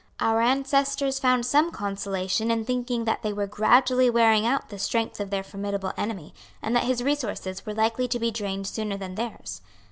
Our ancestors found some consolation in thinking that they were gradually wearing out the strength of their formidable enemy, and that his resources were likely to be drained sooner than theirs.